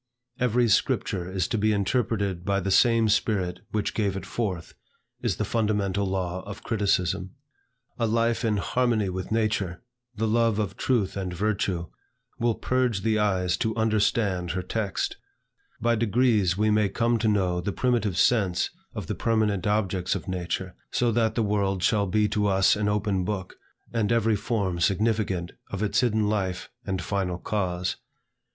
"Every scripture is to be interpreted by the same spirit which gave it forth," is the fundamental law of criticism. A life in harmony with nature, the love of truth and of virtue, will purge the eyes to understand her text. By degrees we may come to know the primitive sense of the permanent objects of nature, so that the world shall be to us an open book, and every form significant of its hidden life and final cause.